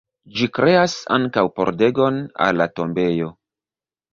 Ĝi kreas ankaŭ pordegon al la tombejo.